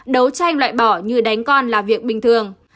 đấu tranh loại bỏ như đánh con là việc bình thường